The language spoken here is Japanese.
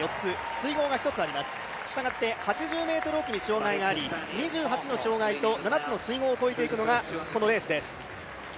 水濠が一つあります、したがって８０ｍおきに障害があり２８の障害と７つの水濠を越えていくのがこのレースです。